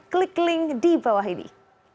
klik link di bawah ini